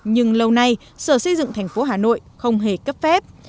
nhưng lâu nay sở xây dựng tp hà nội không hề cấp phép